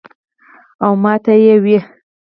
او ماته ئې وې ـ "